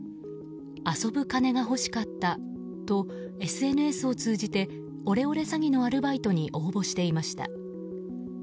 遊ぶ金が欲しかったとＳＮＳを通じてオレオレ詐欺のアルバイトに応募していました。